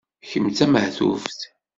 Kemm d tamehtuft.